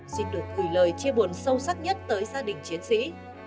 xin được gửi lời chê buồn sâu sắc nhất tới gia đình trung tá